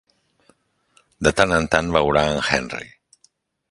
De tant en tant veurà en Henry.